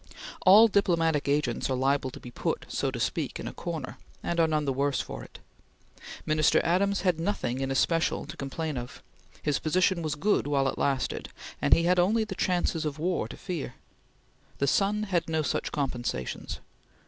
All diplomatic agents are liable to be put, so to speak, in a corner, and are none the worse for it. Minister Adams had nothing in especial to complain of; his position was good while it lasted, and he had only the chances of war to fear. The son had no such compensations.